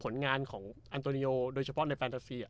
ผลงานของอันโตเนโยโดยเฉพาะในแปลนทาซีอ่า